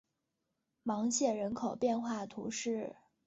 芒谢人口变化图示